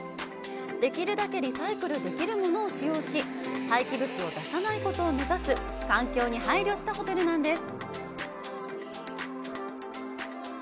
できるだけリサイクルできるものを使用し、廃棄物を出さないことを目指す環境に配慮したホテルなんです。